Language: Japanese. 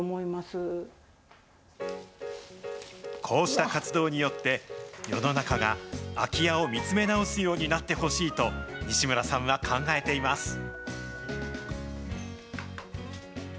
こうした活動によって、世の中が空き家を見つめ直すようになってほしいと、西村さんは考えています。